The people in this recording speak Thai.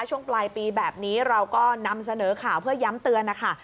ช่วงปลายปีแบบนี้เราก็นำเสนอข่าวเพื่อย้ำเตือนนะคะ